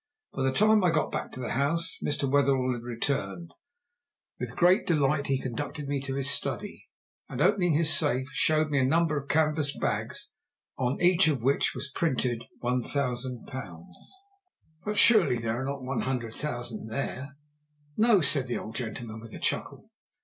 By the time I got back to the house Mr. Wetherell had returned. With great delight he conducted me to his study, and, opening his safe, showed me a number of canvas bags, on each of which was printed £1,000. "But surely there are not £100,000 there?" "No," said the old gentleman with a chuckle.